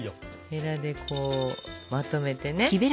へらでこうまとめてね。